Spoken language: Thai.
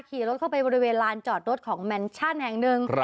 ขี่รถเข้าไปบริเวณลานจอดรถของแมนชั่นแห่งหนึ่ง